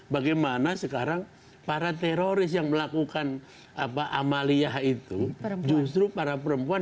bagaimana sekarang para teroris yang melakukan amaliyah itu justru para perempuan